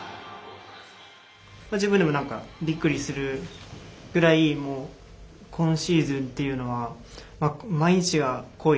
自分でもびっくりするぐらい今シーズンというのは毎日が濃い。